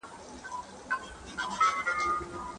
ناسا د سایکي په اړه ډېرې څېړنې کوي.